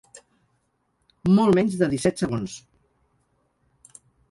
Molt menys de disset segons.